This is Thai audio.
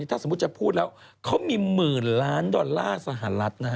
ถ้าสมมุติจะพูดแล้วเขามีหมื่นล้านดอลลาร์สหรัฐนะฮะ